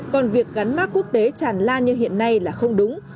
còn việc gắn mát quốc tế tràn lan như hiện nay là không đúng